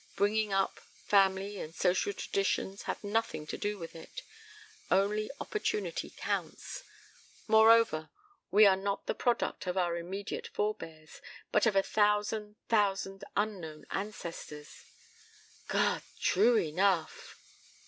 Bringing up, family and social traditions, have nothing to do with it. Only opportunity counts. Moreover, we are not the product of our immediate forebears, but of a thousand thousand unknown ancestors. ..." "God! True enough!"